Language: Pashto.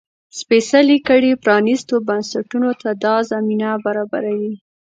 سپېڅلې کړۍ پرانيستو بنسټونو ته دا زمینه برابروي.